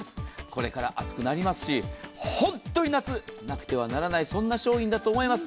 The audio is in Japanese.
これから暑くなりますし本当に夏、なくてはならない商品だと思います。